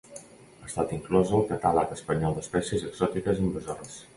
Ha estat inclosa al Catàleg espanyol d’espècies exòtiques invasores.